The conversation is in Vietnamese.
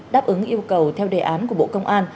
đáp ứng yêu cầu theo đề án của bộ công an